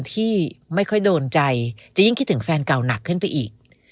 ที่ไม่ค่อยโดนใจจะยิ่งคิดถึงแฟนเก่าหนักขึ้นไปอีก